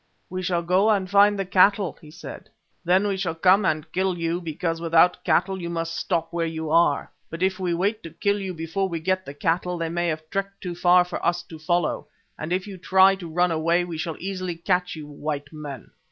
"We shall go and find the cattle," he said, "then we shall come and kill you, because without cattle you must stop where you are, but if we wait to kill you before we get the cattle, they may have trekked too far for us to follow. And if you try to run away we shall easily catch you white men!"